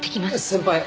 先輩